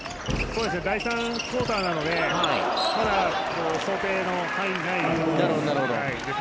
第３クオーターなので想定の範囲内ですね。